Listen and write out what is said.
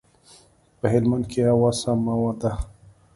په هلمند کښي هوا سمه ده.